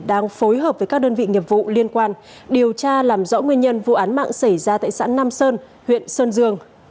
đang phối hợp với các đơn vị nghiệp vụ liên quan điều tra làm rõ nguyên nhân vụ án mạng xảy ra tại xã nam sơn huyện sơn dương